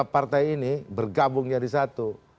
partai ini bergabung jadi satu